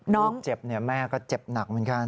ลูกเจ็บแม่ก็เจ็บหนักเหมือนกัน